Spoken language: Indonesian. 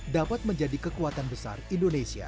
dapat menjadi kekuatan besar indonesia